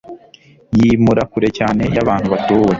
yimura kure cyane yabantu batuwe